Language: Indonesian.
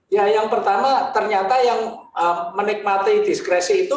ya yang pertama ternyata yang menikmati diskresi itu